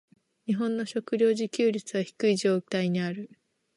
日本の食糧自給率は低い状態にある。